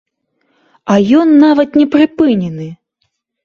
А ён нават не прыпынены!